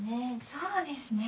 そうですね。